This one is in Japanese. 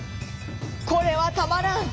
「これはたまらん！